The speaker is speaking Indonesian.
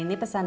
nunggu t shore